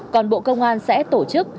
còn bộ công an sẽ tổ chức